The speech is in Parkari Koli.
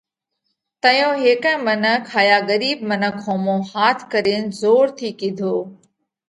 تئيون هيڪئہ منک هائيا ڳرِيٻ منک ۿومو هاٿ ڪرينَ زور ٿِي ڪِيڌو: